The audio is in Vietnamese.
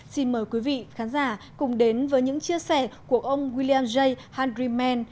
xin mời quý vị khán giả cùng đến với những chia sẻ của ông william j henry mann